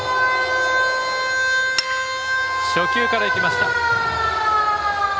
初球から行きました。